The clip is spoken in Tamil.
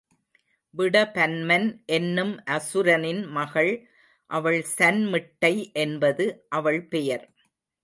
விடபன்மன் என்னும் அசுரனின் மகள் அவள் சன்மிட்டை என்பது அவள் பெயர்.